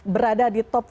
berada di top empat